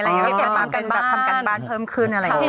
แล้วก็เก็บมาเป็นแบบทำการบ้านเพิ่มขึ้นอะไรอย่างนี้